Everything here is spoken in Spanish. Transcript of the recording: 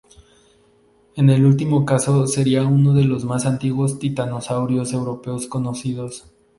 En el último caso sería uno de los más antiguos titanosaurios europeos conocidos.